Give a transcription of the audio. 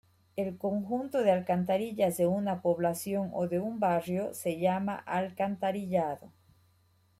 El conjunto de alcantarillas de una población o de un barrio se llama alcantarillado.